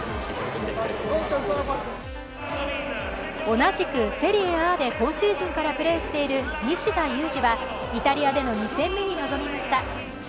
同じくセリエＡで今シーズンからプレーしている西田有志はイタリアでの２戦目に臨みました。